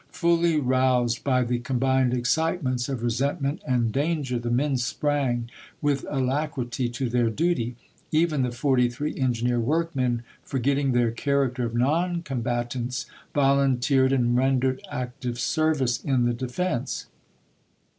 Fully roused by the combined excitements of resentment and danger, the men sprang with alacrity to their duty ; even the forty three engineer workmen, forgetting their character of non combatants, volunteered and ren dered active service in the defense.